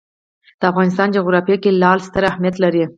د افغانستان جغرافیه کې لعل ستر اهمیت لري.